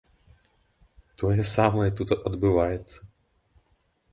Тое самае тут адбываецца.